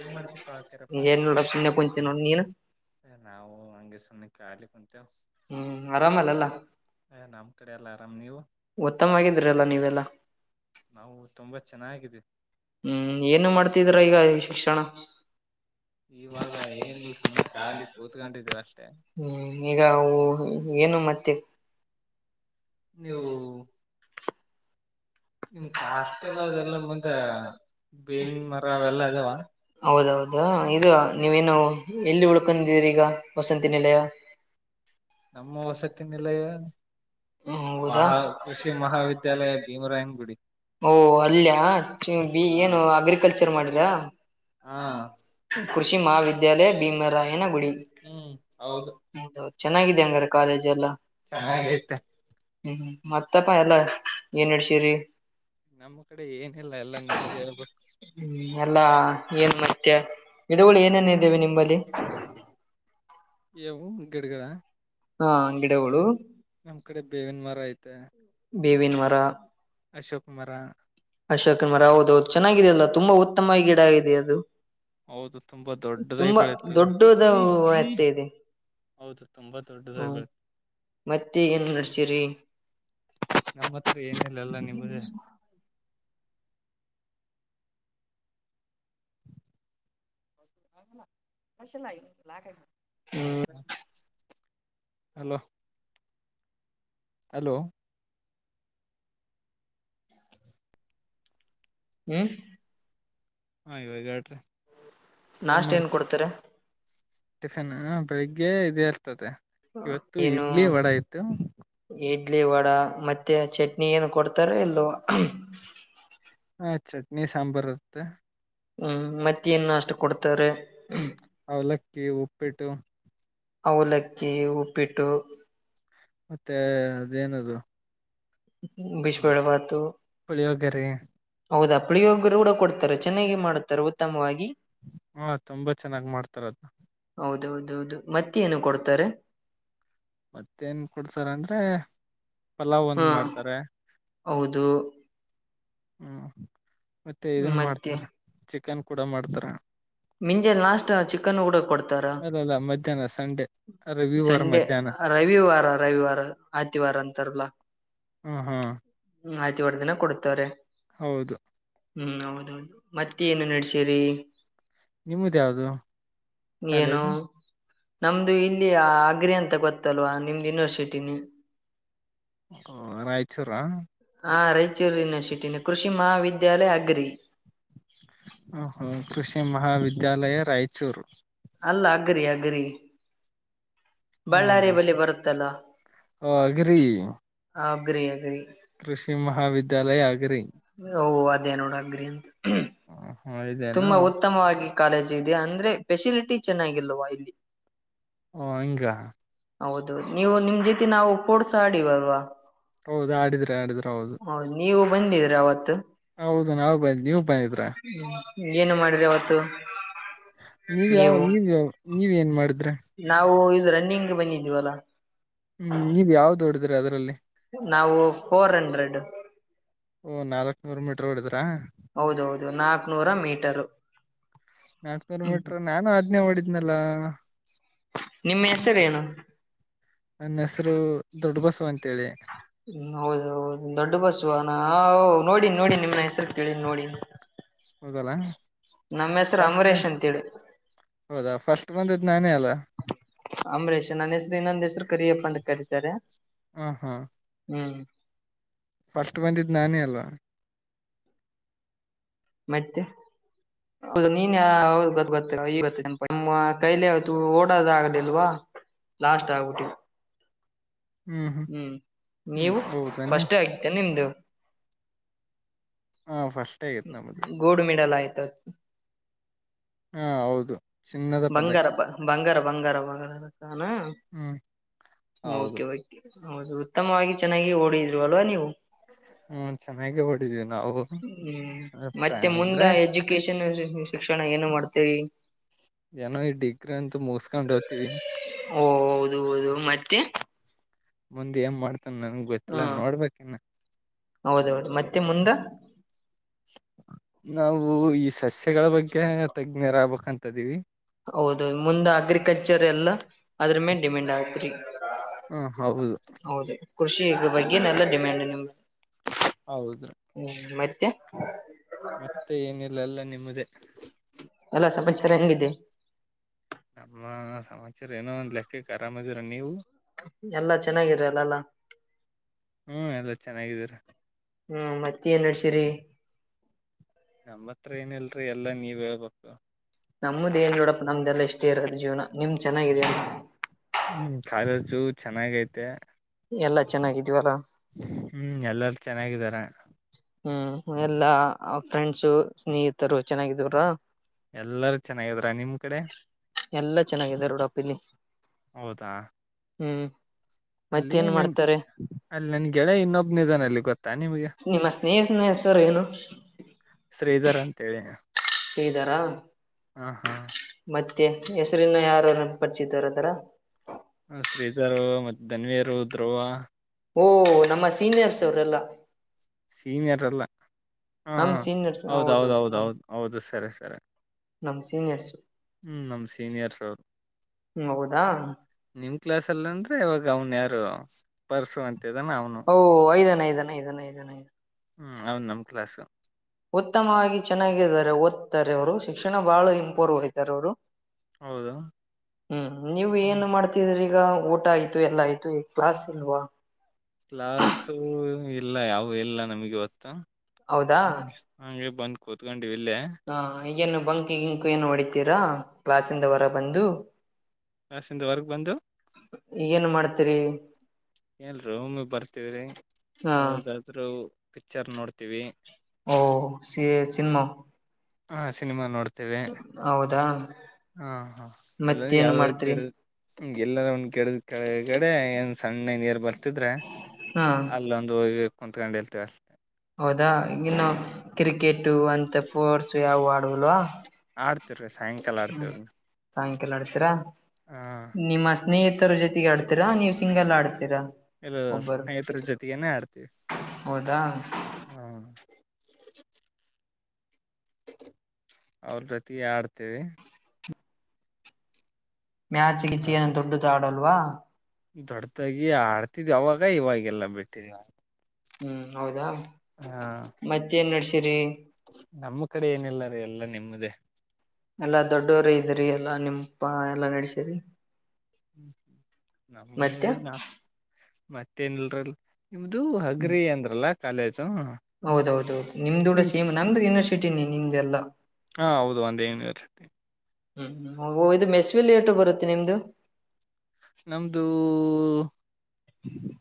ಏನ್ ಮಾಡ್ತಿಪಾ ಅವಕ್ಯಾರಪ್ಪಾ ಎನ್ನ ನೋಡಾತಿಲ್ಲ ಸುಮ್ನೆ ಕುತ್ತಿನಿ ನೋಡ್ ನೀನ. ಕಾಲಿ ಕುಂತಿ ಹ್ಮ್ ಆರಾಮಲ್ಲಲ್ಲ. ತಮ್ಮ ನೀವು. ಉತ್ತಮ ಆಗಿದ್ರಲ್ಲ ನೀವೆಲ್ಲಾ ನಾವು ತುಂಬಾ ಚೆನ್ನಾಗಿದ್ದೀವಿ ಹ್ಮ್ ಏನು ಮಾಡ್ ತ್ತಿದೀರಾ ಈಗ ಶಿಕ್ಷಣ. ಇವಾಗ ಏನ್ ಇಲ್ಲ ಸುಮ್ಮನೆ ಖಾಲಿ ಕೂತ್ಕೊಂಡು ಇದ್ದೀವಿ ಅಷ್ಟೆ. ಹ್ಮ್ ಈಗ ಹ್ಮ್ ಏನು ಮತ್ತೆ. ನೀವು. ನಿಮ್ ನಿಮ್ಮ ಹಾಸ್ಟೆಲ್ ಅದೆಲ್ಲ ಎಲ್ಲಾ ಮುಂದ ಬೇವಿನ ಬೇವಿನ ಅವೆಲ್ಲ ಮರ ಅದಾವ ಅವೆಲ್ಲಾ ಇದಾವ ಏನ, ಹೌದುದು. ಹ್ಮ್ ಅದು ಇದು ನೀವೇನು ಎಲ್ಲಿ ಉಳ್ಕೊಂಡೀರಿ ಈಗ. ವಾಸಂತಿ ನಿಲಯ. ನಮ್ಮ ವಸತಿ ನಿಲಯ ಹೌದಾ ಮಹಾ ಕೃಷಿ ಮಹಾವಿದ್ಯಾಲಯ ಭೀಮರಾಯನ್ ಗು ಓ ಅಲ್ಯಾ ಹಾ ಏನು ಅಗ್ರಿಕಲ್ಚರ್ ಮಾಡ್ ರಾ. ಹಾ. ಕೃಷಿ ಮಹಾವಿದ್ಯಾಲಯ ಭೀಮರಾಯನಗುಡಿ. ಹ್ಮ್ ಹೌದು ಹೌದು ಚೆನ್ನಾಗಿದೆ ಅಂಗಾರ ಕಾಲೇಜ ಎಲ್ಲಾ. ಚೆನ್ನಾಗೈತೆ ಹ್ಮ್ ಹ್ಮ ಮತ್ತಪ್ಪ ಎಲ್ಲಾ ಏನ್ ನಡ್ಸ್ರರಿ. ನಮ್ಮ ಕಡೆ ಏನಿಲ್ಲ ಎಲ್ಲಾ ನಿಮ್ಮದೇ ಹೇಳಬೇಕು. ಮತ್ಯ ಗಿಡಗಳು ಏನೇನೇ ಇದಾವೆ ನಿಮ್ಮ ಅಲ್ಲಿ. ಎ ಹೋಮ್ ಗಿಡಗಳ್ ಹಾ. ಹಾ ನ ಗಿಡಗಳು ನಮ್ಮ್ ಕಡೆ ಬೇವಿನ ಮರ ಐತ. ಮತ್ತೆ. ಬೇವಿನ ಮರ. ಅಶೋಕ್ ಮರ. ಅಶೋಕ್ ಮರ ಹೌದೌದು ಚೆನ್ನಾಗಿದೆಯಲ್ಲ ತುಂಬಾ ಉತ್ತಮ ಗಿಡ ಆಗಿದೆ ಅದು. ಹೌದು ತುಂಬಾ ದೊಡ್ಡದಾಗಿ ತುಂಬಾ ಬೆಳತದ್ ದೊಡ್ಡದ ಎತ್ತ ಇದೆ ಹೌದು ತುಂಬಾ ದೊಡ್ಡದಾಗಿ ಹ್ಮ ಬೆಳತ್ ಮತ್ತೆ ಏನ್ ನಡ್ಸಿರಿ ನಮ್ಮ ಹತ್ರ ಏನಿಲ್ಲ ಅಲ್ಲ ನಿಮ್ದೇ. ಹ್ಮ್ [unintelligible] [inaudible] ಹಲೋ. ಹಲೋ. ಹ್ಮ್. ಹಾ ಇವಾಗ ಹೇಳ್ಟ್ರಿ. ನಾಷ್ಟೇನ್ ಕೊಡ್ತಿರ. ಟಿಫಿನಾ ಬೆಳಿಗ್ಗೇ ಇದ ಇರ್ತ್ ತ್ತದೆ ಇವತ್ತು ಏನು ಇಡ್ಲಿ ವಡ ಇತ್ತು. ಇಡ್ಲಿ ವಡ ಮತ್ತೆ ಚಟ್ನಿ ಏನು ಕೊಡ್ತಾರೋ ಇಲ್ಲೋ. [unintelligible] ಆ ಚಟ್ನಿ ಸಾಂಬಾರ್ ಇರ್ತ್ತೆ. ಹ್ಮ್ ಮತ್ತೇನ್ ನಾಷ್ಟ ಕೊಡ್ತಾರೆ. ಅವಲಕ್ಕಿ ಉಪ್ಪಿಟ್ಟು. ಅವಲಕ್ಕಿ ಉಪ್ಪಿಟ್ಟು. ಮತ್ತೆ ಅದೇನದು. ಬಿಸ್ಬೇಳೆ ಭಾತು. ಪುಳಿಯೋಗರೆ ಹೌದಪ್ಪ. ಪುಳ್ಯೋಗ್ರಿ ಕೂಡ ಕೊಡ್ತಾರೆ ಚೆನ್ನಾಗಿ ಮಾಡುತ್ತಾರೆ ಉತ್ತಮವಾಗಿ. ಹಾ ತುಂಬಾ ಚೆನ್ನಾಗ್ ಮಾಡ್ತಾರದ್ನ. ಹೌದೌದೌದು ಮತ್ತೆ ಏನು ಕೊಡ್ತರೆ. ಮತ್ತೇನ್ ಕೊಡ್ತಾರಂದ್ರೆ. ಪಲಾವ್ ಹಾ ಒಂದ್ ಮಾಡ್ತಾರೆ. ಹೌದು ಹ್ಮ್. ಮತ್ತೆ ಇದನ್ ಮತ್ತೆ ಮಾಡ್ತರೆ ಚಿಕ್ ಚಿಕ್ಕನ್ ಕೂಡ ಮಾಡ್ತರೆ. ಮಿಂಜೆ ಲಾಸ್ಟ್ ಚಿಕನ್ ಹೂಡ ಕೊಡ್ತಾರ. ಅಲ್ಲಲ್ಲ ಮಧ್ಯಾಹ್ನ ಸಂಡೆ ರವಿವಾರ ಸಂಡೆ ಮಧ್ಯಾಹ್ನ ರವಿವಾರ ರವಿವಾರ ಆತಿವಾರ ಅಂತಾರಲ್ಲಾ. ಹ್ಮ್ ಹ್ಮ್. ಹ್ಮ್ ಆಯ್ತಿವಾರ್ ದಿನ ಕೊಡ್ತಾರೆ. ಹೌದು. ಹ್ಮ್ ಹೌದೌದು ಮತ್ತ್ ಏನ ನಡ್ಶಿರೀ. ನಿಮ್ದ್ ಯಾವ್ದು ಏನು ಕಾಲೇಜ. ನಮ್ದು ಇಲ್ಲಿ ಆಗ್ರಿ ಅಂತ ಗೊತ್ತಲ್ವಾ ನಿಮ್ದ್ ಯೂನಿವರ್ಸಿಟಿನೇ. ಹ ರಾಯಚೂರಾ. ಹಾ ರಾಯಚೂರು ಯೂನಿವರ್ಶಿಟಿನೆ ಕೃಷಿ ಮಹಾವಿದ್ಯಾಲಯ ಅಗ್ರಿ. ಹ ಹ ಕೃಷಿ ಮಹಾವಿದ್ಯಾಲಯ ರಾಯಚೂರು. ಅಲ್ಲ ಅಗ್ರಿ ಅಗ್ರಿ. ಹ್ಮ್ ಬಳ್ಳಾರಿಯ ಬಲಿ ಬರುತ್ತಲ್ಲ ಅಗ್ರಿ ಆ ಗ್ರಿ ಅಗ್ರಿ. ಕೃಷಿ ಮಹಾವಿದ್ಯಾಲಯ ಆಗ್ರಿ. ಓ ಅದೇ ನೋಡ ಅಗ್ರಿ ಅಂತ [unintelligible] ಹ ಇದೇನು ತುಂಬಾ ಉತ್ತಮವಾಗಿ. ಕಾಲೇಜ್ ಇಯ್ದಾ ಅಂದ್ರೆ ಫೆಸಿಲಿಟಿ ಚೆನ್ನಾಗಿಲ್ವಾ ಇಲ್ಲಿ. ಓ ಹಂಗಾ. ಹೌದು ನೀವು ನಿಮ್ ಜೊತಿ ನಾವು ಪೋಡ್ಸ್ ಆಡೀವ್ ಅಲ್ವಾ? ಹೌದು ಆಡಿದಿರಾ ಆಡಿದೀರ ಹೌದು. ಬಂದಿದ್ರ ಅವತ್ತು? ಹೌದು ನಾವು ಬಂದ್ ನೀವ್ ಬಂದಿದ್ರ ಹ್ಮ್ ಏನು ಮಾಡಿರಿ ಅವತ್ತು ನೀವ್ ಯಾವ ನೀವು? ನೀವ್ ಯಾವ ನೀವ್ ಏನ್ ಮಾಡಿದ್ರೆ ನಾವು ಇದು ರನ್ನಿಂಗ್ ಬಂದಿದ್ವಲ್ಲ ಹ್ಮ್ ನೀವ ಯಾವ್ದ ಓಡುದ್ ದ್ರಿ ಅದ್ರಲ್ಲಿ ನಾವು ಫೋರ್ ಹಂಡ್ರೆಡ್ ಹೂಂ ನಾಲಕ್ ನೂರ್ ಮೀಟರ್ ಓಡಿದ್ರ? ತ ಹೌದೌದು ನಾಕ್ನೂರ ಮೀಟರು ನಾಕ್ನೂರ್ ಹ್ಮ್ ಮೀಟ್ರು ನಾನು ಆದ್ನೇ ಓಡಿದ್ನಲ್ಲಾ ನಿಮ್ಮ ಹೆಸರೇನು ನನ್ ಹೆಸರು ದೊಡ್ ಬಸ್ ತು ಅಂತೇಳಿ. ಹ್ಮ್ ಹೌದ್ ಹೌದು ದೊಡ್ಡ ಬಸ್ವನ ಅ ಓ ನೋಡಿನ್ ನೋಡಿನ್ ನಿಮ್ನ ಹೆಸರು ಕೇಳಿನ್ ನೋಡಿನ್ ಹೌದಲ್ಲಾ? ನಮ್ ಹೆಸರು ಅಂಬರೀಷ್ ಅಂತೇಳಿ. ಹೌದಾ ಫಸ್ಟ್ ಬಂದಿದ್ ನಾನೇ ಅಲ್ಲ ಅಂಬರೀಷ ನನ್ ಹೆಸ್ ರ್ ಇನ್ನೊಂದ್ ಹೆಸರು ಕರಿಯಪ್ಪ ಅಂತ ಕರೀತಾರೆ. ಹಾಂ ಹಾಂ ಹ್ಮ್ ಫಸ್ಟ್ ಬಂದಿದ್ ನಾನೇ ಅಲ್ವಾ? ಮತ್ತೆ, ಹೌದು ನೀನ್ ಯಾವ್ ಹೌದ್ ಗೊತ್ ಗೊತ್ತು ಈಗ್ ಗೊತ್ತು ನೆನ್ಪ್ ಆಯ್ತು ನಿಮ್ಮ ಕೈಲಿ ಆವತು ಓಡದ ಆಗಲಿಲ್ವಾ ಲಾಸ್ಟ್ ಆಗ್ಬಿಟ್ವಿ. ಹ್ಮ್ ಹ್ಮ್ ನೀವು? ಹೌದೇನಾ ಫರ್ಸ್ಟೇ ಆಗಿತ್ತೇನ್ ನಿಮ್ದು? ಹಾಂ ಫಸ್ಟೆ ಆಯತ್ ನಮ್ಮದು. ತ ಹಾಂ ಹೌದು. ಚಿನ್ನದ ಪದಕ ಬಂಗಾರ ಬಂಗಾರ ಬಂಗಾರ ಬಂಗಾರ ಅನು ಹ್ಮ್ ಹೌದು ಓಕೆ ಬೈ. ಹೌದು ಉತ್ತಮವಾಗಿ ಚೆನ್ನಾಗಿ ಓಡಿದ್ರು ಅಲ್ವಾ ನೀವು? ಹ್ಮ ಚೆನ್ನಾಗೇ ಓಡಿದೀವಿ ನಾವು ಹ್ಮ್ ಪ್ರ ಅಂದ್ರೆ ಇನ್ನು ಶಿಕ್ಷಣ ಏನು ಮಾಡ್ತೀರಿ? ಏನೋ ಈ ಡಿಗ್ರಿ ಅಂತೂ ಮುಗಿಸಕೊಂಡ್ ಹೋತೀವಿ. ತ್ತೆ ಮುಂದೆ ಏನ್ ಮಾಡ್ ತ ನಂಗ್ ಗೊತ್ತಿಲ್ಲ ನೋಡ್ಬೇಕ್ ಇನ್ನು ಹೌದೌದ್. ಮತ್ತೆ ಮುಂದ? ವೂ ಇಸ್ ಸಸ್ಯಗಳ ಬಗ್ಗೆ ತಜ್ಞರ ಆಗ್ಬೇಕ ಅಂತ ಇದಿವಿ ಹೌದು ಮುಂದ ಅಗ್ರಿಕಲ್ಚರ್ ಎಲ್ಲ ಅದ್ರ ಮೇಲೇ ಡಿಮೆಂಡ್ ಆಗ್ತ್ರಿ ಹಾ ಹೌದು ಕೃಷಿ ಬಗ್ಗೆನೆಲ್ಲ ಡಿಮ್ಯಾಂಡ್ ನಿಮ್ಗೆ ಹೌದು ಹ್ಮ್ ಮತ್ತೆ ಚ್ [unintelligible] ಮತ್ತೆ ಏನಿಲ್ಲ ಎಲ್ಲ ನೀ ಸಮದ [unintelligible] ಎಲ್ಲ ಸಮಚಾರ ಹೆಂಗಿದೆ ನಮ್ಮ ಸಮಾಚಾರ ಏನೋ ಒಂದ್ ಲೆಕ್ಕಕ್ಕೆ ಆರಾಮ ಇದೀರ ನೀವು ಎಲ್ಲಾ ಚೆನ್ನಾಗಿರಲ್ಲಲ್ಲ ಹ್ಮ್ ಎಲ್ಲಾ ಚೆನ್ನಾಗಿದೀರ ಹ್ಮ್ ಮತ್ತ ಏನ್ ನಡ್ಸಿರಿ ನಮ್ಮ ಹತ್ರ ಏನಲ್ರಿ ಎಲ್ಲಾ ನೀವ್ ಹೇಳ್ಬೇಕು ನಮದ್ ಏನ್ ನೋಡಪ್ಪ ನಮ್ದಲ್ಲ ಇಷ್ಟೇ ಇರೋದು ಜೀವನ ನಿಮ್ ಚೆನ್ನಾಗಿದೆ ಹ್ಮ್ ಕಾಲೇಜು ಚೆನ್ನಾಗ ಐತೆ ಎಲ್ಲಾ ಚೆನ್ನಾಗಿದೀವಲ್ಲ ಹ್ಮ್ ಎಲ್ಲಾರ ಚೆನ್ನಾಗಿದಾರ ಹ್ಮ್ ಎಲ್ಲಾ ಫ್ರೆಂಡ್ಸು ಸ್ನೇಹಿತರು ಚೆನ್ನಾಗಿದವ್ರ ಎಲ್ಲಾರ ಚೆನ್ನಾಗಿದ್ರ ನಿಮ್ ಕಡೆ ಎಲ್ಲಾ ಚೆನ್ನಾಗಿದೆ ರೋಡಪ್ಪ ಇಲ್ಲಿ ಹೌದಾ ಹ್ಮ್ ಅಲ್ಲಿ ಮತ್ತೇನ್ ನನ್ ಮಾಡ್ತಾರೆ ಅಲ್ಲಿ ನನ್ ಗೆಳೆಯ ಇನ್ನೊಬ್ಬ ನಿಧನಲ್ಲಿ ಗೊ ನಿಮ್ಮ ಸ್ನೇಹಿತ್ನ್ ಹೆಸರು ಎನು ಶ್ರೀಧರ್ ಅಂತೇಳಿ ಶ್ರೀದರ ಹ ಹಾ ಮತ್ತೆ ಹೆಸರಿನ ಯಾರ ಪಚಿದಾರ ಅದರ ಶ್ರೀಧರು ಮತ್ತ್ ತನ್ವೀರು ಧ್ರುವ ಓಹ ನಮ್ಮ ಸೀನಿಯರ್ಸ್ ಅವರೆಲ್ಲ ಸೀನಿಯರ್ ಅಲ್ಲ ಹಾ ನಮ್ ಹಾ ಸೀನಿಯರ್ಸ್ ಹೌದ್ ಹೌದ್ ಹೌದೌದು ಹೌದ್ ನಮ್ ಹೌದು ಹೌದು ಸರಿ ಸರಿ ನಮ್ ಸೀನಿಯರ್ಸ್ ಹ್ಮ್ ನಮ ಸೀನಿಯರ್ಸ್ ಅವರು ಹ್ಮ್ ಹೌದಾ ನಿಮ್ ಕ್ಲಾಸ್ ಅಲ್ಲಂದ್ರೆ ಅವನ್ ಯಾರು ಪರ್ಸು ಅಂತ ಓ ಐದನೇ ಐದನ ಐದನೆ ಐದನ ಚ್ [inaudible] ಹ್ಮ್ ಹೌದ್ ನಮ ಕ್ಲಾಸ್ ಉತ್ತಮವಾಗಿ ಚೆನ್ನಾಗಿದ್ದಾರೆ ಓದ್ತಾರೆ ಅವರು ಶಿಕ್ಷಣ ಬಹಳ ಇಂಪೋರ್ವ್ ಹಯ್ತಾರೆ ಅವರು ಹೌದು ಹ್ಮ್ ನೀವು ಹ್ಮ್ ಏನು ಮಾಡ್ತಿದೀರಿ ಈಗ ಊಟ ಆಯ್ತು ಎಲ್ಲ ಆಯ್ತು ಈ ಕ್ಲಾಸ್ ಇಲ್ವಾ ಕ್ಲಾಸು ಇಲ್ಲ ಯಾವು ಇಲ್ಲ ನಮ್ಗ ಇವತ್ತು. ಹೌದಾ ಹ ಹಂಗ ಇದ ಬಂದ ಕುಂತ್ಕೊಂಡ್ ಹಾ ಈಗೇನ್ ಬಂಕು ಗಿಂಕು ಏನ್ ಹೊಡಿತೀರಾ ಕ್ಲಾಸ ಇಂದ ಹೊರ ಬಂದು. ಕ್ಲಾಸಿಂದ ಹೊರಗ್ ಬಂದು ಏನ್ ಮಾಡ್ತೀರಿ. ಎಇಲ್ರಿ ಒಮ್ಮಿ ಬರ್ತವ್ರಿ ಹಾ ಯಾವದಾದ್ರು. ಪಿಕ್ಚರ್ ನೋಡ್ ಓ ಸಿ [inaudible] ಹಾ ಸಿನಿಮಾ ನೋಡ್ತ್ ತೇವೆ ಹೌದಾ ಹಾ ಹಾ ಇಲ್ಲಾ ಮತ್ತೇನ್ ಯಾವ್ದರು ಮಾಡ್ತೀರಿ ಗಿಡ್ ಹ ಎಲ್ಲರ ಒಂದ ಕೆಡ ಕೆಗಡೆ ಏನ್ ಸಣ್ಣ ನೀರ್ ಬರ್ ತಿದ್ರ ಹಾ ಅಲ್ಲೊಂದು. ಕೊಂತ್ಕೊಂಡ ಇರ್ತೆವ್ ಅಲ್ಲಿ. ಹೌದಾ ಇನ್ನು. ಕ್ರಿಕ್ ಟು ಅಂತಫೋರ್ಸು ಯಾವ ಆ ಡುಲ್ವಾ. ಆಡ್ತಿವ್ರಿ ಸಾಯಂಕಾಲ ಹ್ಮ ಆಡ್ತೇವ ಸಾಯಂಕಾಲ ಆಡ್ತೀರಾ ಹ ನಿಮ್ಮ ಸ್ನೇಹಿತ್ ತರ ಜೊತೆಗೆ ಆಡ್ತೀರಾ ನೀವು ಸಿಂಗಲ್ ಆಡ್ತೀರಾ. ಇಲ್ಲಾ ಒಬ್ಬರು ಸ್ನೇಹಿತರ ಜೊತೆಗನೆೇ ಆಡ್ತೀವಿ ಹೌದಾ ಹ್ಮ. ಅವ್ರ ಜೊತೆಗೆ ಆಡ್ತೇವಿ. ಮ್ಯಾಚ್ ಗಿಚೀನ ದೊಡ್ಡುದ ಆಡಲ. ವಾ. ದೊಡ್ಡದಾಗಿ ಆಡ್ತಿದ್ವಿ ಅವಾಗ ಇವಾಗೆಲ್ಲ ಬಿಟ್ಟಿವ. ಹ್ಮ್ ಹೌದಾ ಮತ್ತೇನ್ ನಡ್ಸಿರಿ. ನಮ್ಮ ಕಡೆ ಏನಿಲ್ಲಾರೀ ಎಲ್ಲ ನಿಮ್ಮ್ದೇ. ಎಲ್ಲಾ ದೊಡ್ಡವ್ರ ಇದ್ರರಿ ಎಲ್ಲಾ ನಿಮಪಾ ಎಲ್ಲಾ ನಡಸಿರಿ. ಹ್ಮ ನಮ್ಮ ನಾ. ಮತ್ತೇನಲ್ರಲ್. ನಿಮ್ದು ಹ್ಮ್ ಹಗ್ರಿ ಅಂದ್ರಲ್ಲ. ಕಾಲೇಜ್ ಹೌದೌದೌದು ನಿಮ್ದುೂಡ್ ಸೇಮ್ ನಮ್ದು ಯುನಿವರ್ಸಿಟಿನೆ. ನಿಮ್ದೆಲ್ಲ ಹಾ ಹೌದು ಒಂದೇ ಯೂನಿವರ್ಸಿಟಿ. ಹ್ಮ್ ಹ್ಮ್ ಇದು ಮೆಸ್ವಿಲಿ ಏಟ ಬರುತ್ತೆ ನಿಮ್ದು. ನಮ್ದು ಹ್ಮ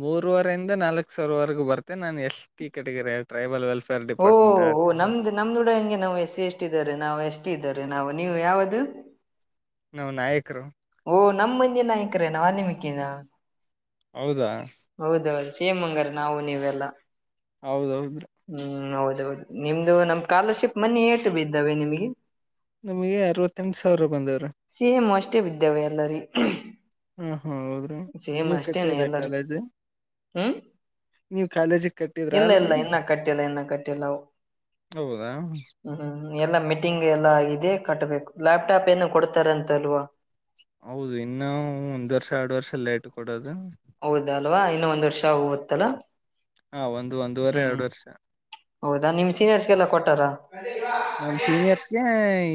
ಮೂರುವರೆ ಇಂದ ನಾಲ್ಕ್ ಸಾವಿರವರೆಗೂ ಬರ್ತೆ ನಾನು S T category tribal well ಓಹ ನಮ್ದ್ ನಮ್ದುಡ ಹೆಂಗೆ ನಾವ್ ಎಸಿ, ಎಸ್ ಟಿ ದವರೆ ನಾವ್ ಎಸ ಟಿ ಇದ್ದಾರ. ನಾವು ನೀವು ಯಾವದು? ನಾವ್ ನಾಯಕರು. ಓಹ ನಮ್ಮ ಮಂದಿ ನಾಯಕರೇನ ವಾಲ್ಮೀಕಿ ನಾ? ಹೌದಾ ಹೌದೌದು. ಸೇಮ ಹಂಗಾರ ನಾವು ನೀವೆಲ್ಲಾ. ಹೌದೌದ್ರಿ. ಅ ನಿಮ್ದು ನಮ್ ಸ್ಕಾಲರ್ಶಿಪ್ ಮನೆ ಏಟು ಬಿದ್ದಾವೆ ನಿಮಗೆ. ನಮಗೆ ಅರವತ್ತ ಎಂಟ ಸಾವಿರ ಬಂದಾವ್ರಿ. ಸೇಮ್ ಅಷ್ಟೇ ಬಿದ್ದವೆ ಅಲ್ಲರಿ. ಹ್ಮ್ ಹ ಹೌದ್ರಿ ನೀವ ಕಟ್ಟಿದ್ರಿ ಎಲ್ಲರಿ ಕಾಲೇಜ್ ಹ್ಮ್ ನೀವ ಕಾಲೇಜಿಗೆ ಕಟ್ಟಿದ್ರ ಇಲ್ಲ ಇಲ್ಲ ಅಲ್ರರೆಡಿ ಇನ್ನ ಕಟ್ಟಿಲ್ಲ ಇನ್ನ ಕಟ್ಟಿಲ್ಲ ಅವು ಹೌದಾ. ಎಲ್ಲಾ ಮೀಟಿಂಗ್ ಎಲ್ಲಾ ಆಗಿದೆ ಕಟ್ಬೇಕು ಲ್ಯಾಪ್ಟಾಪ್ ಏನು ಕೊಡ್ತಾರೆ ಅಂತಲ್ವಾ. ಹೌದು ಇನ್ನುೂ ಒಂದ್ ವರ್ಷ ಎರಡ್ ವರ್ಷಲ್ಲ ಲೇಟ್ ಕೊಡೋದು. ಹೌದ ಅಲ್ವಾ ಇನ್ನ ಒಂದ್ ವರ್ಷ ಹೋಗುತ್ತಲ್ಲಾ. ಹಾ ಒಂದು ಒಂದುವರೆ ಎರಡು ವರ್ಷ ಹೌದಾ ನಿಮ್ ಸೀನಿಯರ್ಸ್ಗೆಲ್ಲ ಕೊಟ್ಟಾರ ನಮ್ಮ ಸೀನಿಯರ್ಸ್ಗೆ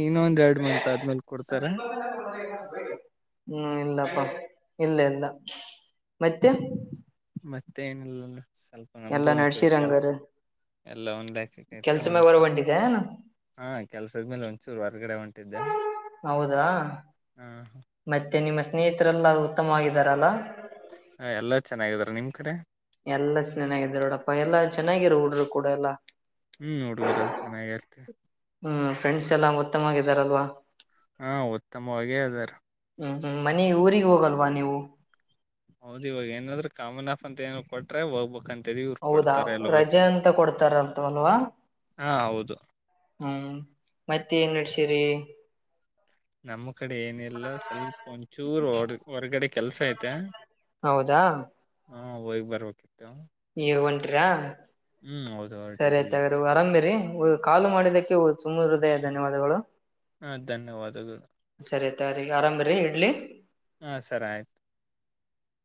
ಇನ್ನೊಂದ್ ಎರಡ್ ಮಂತ್ ಆದ್ಮೇಲ್ ಕೊಡ್ತಾರ ಹ್ಮ್ ಇಲ್ಲಪ್ಪ. ಇಲ್ಲ ಇಲ್ಲ ಮತ್ತೆ. ಮತ್ತೆ ಏನಿಲ್ಲಲ್ಲ. ಸ್ವಲ್ಪ ನಮ್ದು ಎಲ್ಲಾ ಒಂದ್ಸೂರು ಕೆಲ್ಸ ನಡ್ಸಿರಂಗಾರ ಎಲ್ಲ ಒಂದ ಲೆಕ್ಕಕ್ ಐತಿ ಕೆಲ್ಸ ಮ್ಯಾಗ ಹೊರ ಒಂದಸೂರು ಹೊಂಟಿದ್ದೇನ ಹಾ ಕೆಲ್ಸದ್ಮೇಲೆ ಒಂದ್ಸೂರು ಹೊರ್ಗಡೆ ಹೊಂಟ ತ್ತಿದ್ದೆ. ಹೌದಾ ಮತ್ತೆ ನಿಮ್ಮ ಸ್ನೇಹಿತರೆಲ್ಲ ಉತ್ತಮವಾಗಿದ್ದಾರಲ್ಲಾ? ಹ ಎಲ್ಲಾ ಚೆನ್ನಾಗಿದಾರ ನಿಮ್ ಕಡೆ ಎಲ್ಲ ಚೆನ್ನಾಗಿದ್ದಾರ ನೋಡಪ್ಪ ಎಲ್ಲಾ ಚೆನ್ನಾಗಿರು ಹುಡುರು. ಕೂಡ ಎಲ್ಲ. ಹ್ಮ್ ಹುಡುಗರಲ್ ಹ್ಮ್ ಫ್ರೆಂಡ್ಸ್ ಎಲ್ಲ ಉತ್ತಮವಾಗಿ ವಾಗಿದರಲ್ವಾ? ಹಾ ಉತ್ತಮವಾಗೇ ಅದಾರ. ಹ್ಮ್ ಹ್ಮ್ ಮನೆ ಊರಿಗ್ ಹೋಗಲ್ವಾ ನೀವು? ಹೌದ್ ಇವಾಗ ಏನಾದ್ರೂ ಕಾಮನ ಹಾಪ್ ಅಂತ ಏನರಾ ಕೊಟ್ರೆ ಹೋಗ್ಬೇಕಂತ. ಹೌದಾ ರಜೆ ಅಂತ ಕೊಡ್ತಾರಂತವಲ್ವಾ. ಹಾ ಹೌದು. ಹ್ಮ್ ಮತ್ತೆ ಏನ್ ನಡ್ಸಿರಿ. ನಮ್ಮ್ ಕಡೆ ಏನಿಲ್ಲ ಸ್ವಲ್ಪ ಒಂಚೂರು ಹೊಡ್ ಹೊರ್ಗಡೆ. ಕೆಲ್ಸ ಐತೆ. ಹೌದಾ. ಹಾ ಹೊಯಿಗ್ ಬರ್ಬೇಕಿತ್ತು. ನೀವ್ ಒಂಟ್ರಾ. ಹ್ಮ್ ಹೌದು ಸರಿ ಹೊರಟಿದ್ದಿಲ್ಲೇ ಆಯ್ತ್ರ ಅರಾಮಿರಿ ಕಾಲು ಮಾಡಿದಕ್ಕೆ ಒ ಸ್ವ ತುಮ್ಮು ಹೃದಯ ಧನ್ಯವಾದಗಳು. ಹಾ ಧನ್ಯವಾದಗಳು ತಗರಿ ಅರಾಮಿರಿ ಇಡ್ಲಿ. ಹಾ ಸರ್ ಆಯ್ತು.